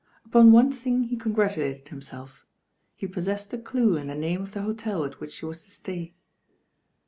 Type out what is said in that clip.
Upon one thing he con grahilated himself, he possessed a due in the name of the hotel at which she was to stay.